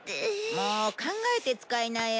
もう考えて使いなよ。